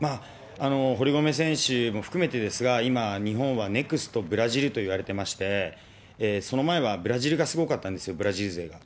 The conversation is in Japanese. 堀米選手も含めてですが、今、日本はネクストブラジルといわれていまして、その前はブラジルがすごかったんですよ、ブラジル勢が。